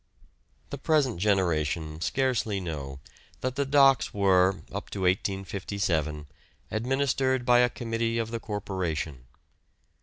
The present generation scarcely know that the docks were up to 1857 administered by a Committee of the Corporation.